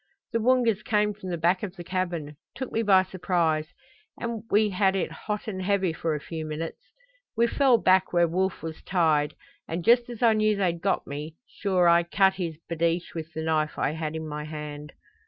"The Woongas came from the back of the cabin took me by surprise and we had it hot and heavy for a few minutes. We fell back where Wolf was tied and just as I knew they'd got me sure I cut his babeesh with the knife I had in my hand."